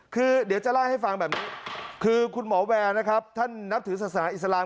คือเดี๋ยวจะเล่าให้ฟังแบบนี้คือคุณหมอแวร์นะครับท่านนับถือศาสนาอิสลาม